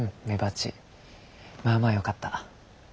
まあまあよかった。